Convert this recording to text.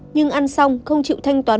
nhưng ăn xong không chịu thanh toán